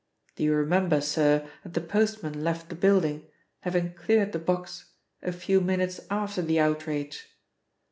Do you remember, sir, that the postman left the building, having cleared the box, a few minutes after the 'outrage'?